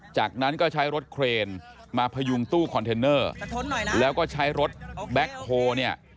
จากนั้นก็ใช้รถเครนมาพยุงตู้คอนเทนเนอร์แล้วก็ใช้รถแบ็คโฮเนี่ย